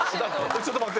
ちょっと待って。